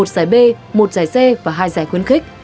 một giải b một giải c và hai giải khuyến khích